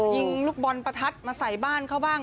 ยิงลูกบอลประทัดมาใส่บ้านเขาบ้าง